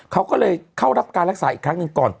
เขาก็เลยเข้ารับการรักษาอีกครั้งหนึ่งก่อน